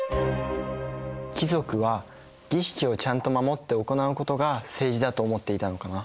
貴族は儀式をちゃんと守って行うことが政治だと思っていたのかな。